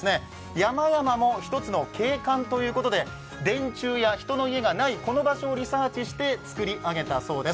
山々も一つの景観ということで電柱や人の家がないこの場所をリサーチして造り上げたそうです。